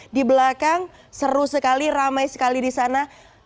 di belakang seru sekali ramai sekali di sana